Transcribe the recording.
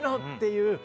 っていう。